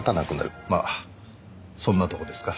まあそんなとこですか？